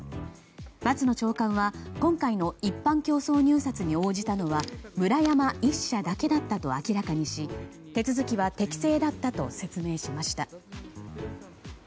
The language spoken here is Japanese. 松野長官は今回の一般競争入札に応じたのはムラヤマ１社だけだったと明らかにし手続きは適正だったと説明しました。